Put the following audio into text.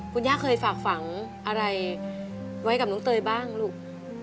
คุณย่าเคยฝากฝังอะไรไว้กับน้องเตยบ้างลูก